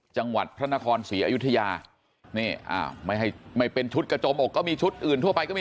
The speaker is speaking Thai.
จังหวัดพระนครศรีอยุธยาไม่เป็นชุดกระโจมอกก็มีชุดอื่นทั่วไปก็มี